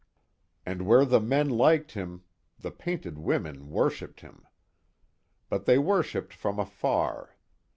And where the men liked him the painted women worshipped him but they worshipped from afar.